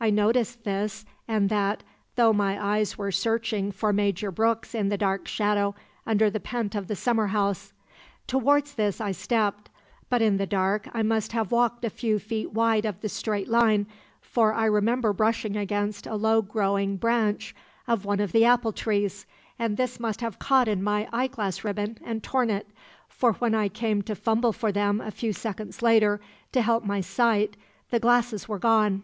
I noted this and that, though my eyes were searching for Major Brooks in the dark shadow under the pent of the summer house. "Towards this I stepped; but in the dark I must have walked a few feet wide of the straight line, for I remember brushing against a low growing branch of one of the apple trees, and this must have caught in my eyeglass ribbon and torn it, for when I came to fumble for them a few seconds later to help my sight, the glasses were gone.